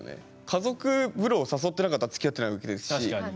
家族風呂を誘ってなかったらつきあってないわけですし。